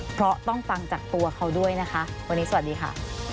เพราะต้องฟังจากตัวเขาด้วยนะคะวันนี้สวัสดีค่ะ